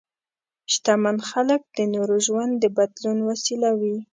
شتمن خلک د نورو ژوند د بدلون وسیله وي.